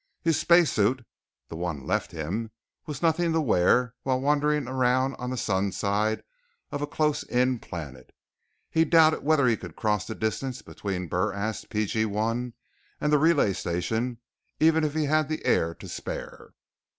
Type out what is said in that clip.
His spacesuit the one they left him was nothing to wear while wandering around on the sunside of a close in planet. He doubted whether he could cross the distance between the BurAst P.G.1. and the relay station even had he the air to spare.